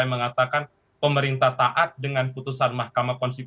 saya mengatakan pemerintah taat dengan putusan mk